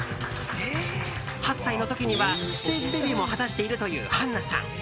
８歳の時にはステージデビューも果たしているという、はんなさん。